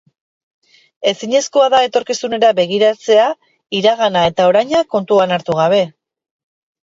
Ezinezkoa da etorkizunera begiratzea, iragana eta oraina kontuan hartu gabe.